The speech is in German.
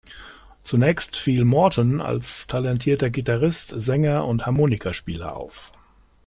Zunächst fiel Morton als talentierter Gitarrist, Sänger und Harmonikaspieler auf.